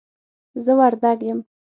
زه وردګ یم